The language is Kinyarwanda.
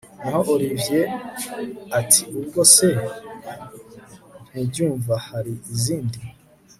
Naho Olivier atiubwo se ntubyumva hari izindi